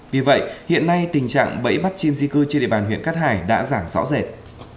vì vậy hiện nay tình trạng bẫy bắt chim di cư trên địa bàn huyện cát hải đã giảm rõ rệt